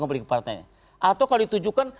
kemampuan partainya atau kalau ditujukan